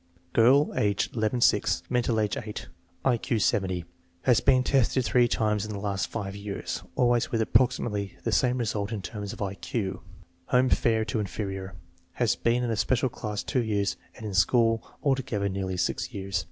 Girl, age ll C>; mental age S; I Q 70. lias been tested three times in the last five years, always with approximately the same result in terms of I Q. Home fair to inferior* Has been in a special class two years and in school altogether nearly six years.